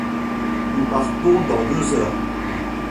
Nous partons dans deux heures.